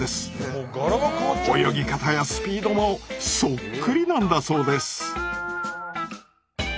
泳ぎ方やスピードもそっくりなんだそうです。